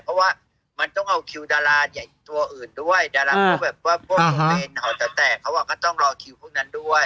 เพราะว่ามันต้องเอาคิวดาราใหญ่ตัวอื่นด้วยดาราพวกแบบว่าพวกเมนหอแต๋วแตกเขาก็ต้องรอคิวพวกนั้นด้วย